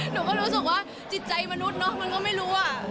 หนูก็รู้สึกว่าจิตใจมนุษย์เนอะมันก็ไม่รู้อ่ะ